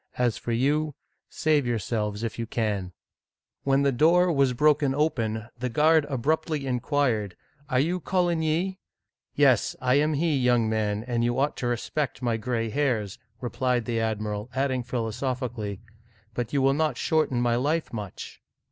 As for you, save yourselves if you can !" When the door was broken open, the guard abruptly in quired, " Are you Coligny ?" Yes, I am he, young man, and you ought to respect my gray hairs, " replied the admiral, adding philosophically, " But you will not shorten my life much